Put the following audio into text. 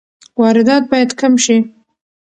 واردات باید کم شي.